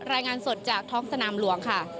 รายงานสดจากท้องสนามหลวงค่ะ